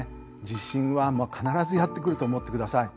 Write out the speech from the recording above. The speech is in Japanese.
地震は必ずやって来ると思ってください。